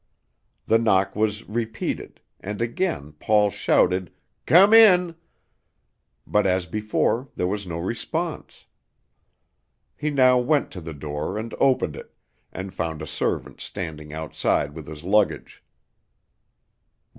The knock was repeated, and again Paul shouted, "Come in"; but, as before, there was no response. He now went to the door and opened it, and found a servant standing outside with his luggage.